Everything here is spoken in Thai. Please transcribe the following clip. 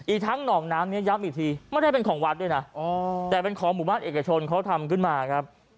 ทั้งหนองน้ำนี้ย้ำอีกทีไม่ได้เป็นของวัดด้วยนะแต่เป็นของหมู่บ้านเอกชนเขาทำขึ้นมาครับ